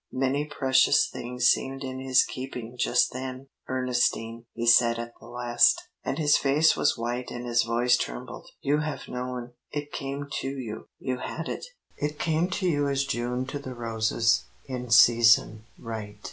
Many precious things seemed in his keeping just then. "Ernestine," he said at the last, and his face was white and his voice trembled, "you have known. It came to you. You had it. It came to you as June to the roses, in season, right.